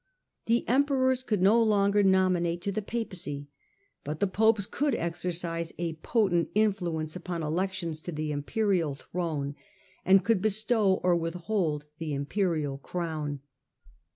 The emperors could no longer nominate to the Papacy, but the popes could exercise a potent in fluence upon elections to the imperial throne, and could bestow or withhold the imperial crown.